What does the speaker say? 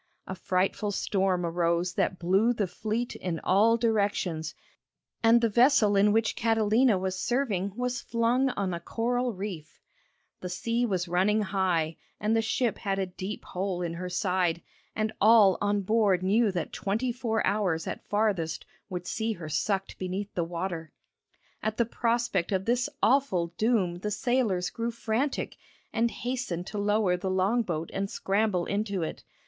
A frightful storm arose that blew the fleet in all directions, and the vessel in which Catalina was serving was flung on a coral reef. The sea was running high, and the ship had a deep hole in her side, and all on board knew that twenty four hours at farthest would see her sucked beneath the water. [Illustration: CATALINA RESCUED BY THE YOUNG OFFICER.] At the prospect of this awful doom the sailors grew frantic, and hastened to lower the long boat and scramble into it.